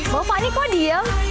bapak ini kok diem